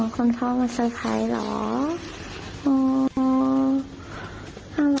อ๋อคนพ่อมาเซอร์ไพรส์เหรอ